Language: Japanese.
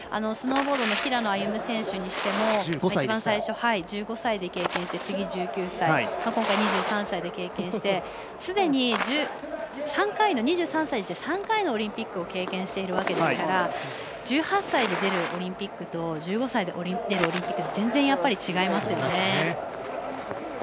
スノーボードの平野歩夢選手にしても一番最初１５歳で経験して次１９歳、今回２３歳で経験してすでに２３歳にして３回のオリンピックを経験しているわけですから１８歳で出るオリンピックと１５歳で出るオリンピックって全然、違いますね。